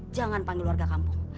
jangan panggil warga kampung